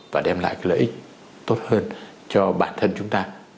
và đem lại lợi ích tốt hơn cho bản thân chúng ta